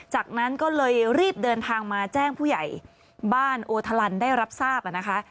จากนั้นก็เลยรีบเดินทางมาแจ้งผู้ใหญ่บ้านโอทะลันได้รับทราบนะคะ